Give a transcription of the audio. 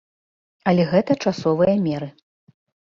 Але гэта часовыя меры.